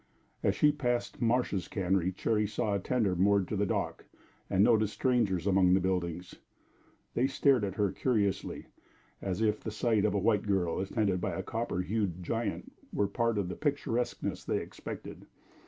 As she passed Marsh's cannery, Cherry saw a tender moored to the dock, and noticed strangers among the buildings. They stared at her curiously, as if the sight of a white girl attended by a copper hued giant were part of the picturesqueness they expected.